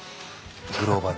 グローバルに。